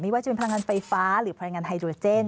ว่าจะเป็นพลังงานไฟฟ้าหรือพลังงานไฮโดรเจน